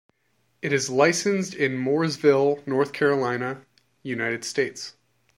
It is licensed in Mooresville, North Carolina, United States.